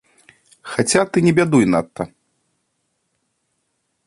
Хаця ты не бядуй надта!